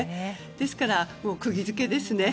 ですから、釘付けですね。